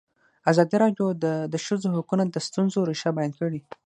ازادي راډیو د د ښځو حقونه د ستونزو رېښه بیان کړې.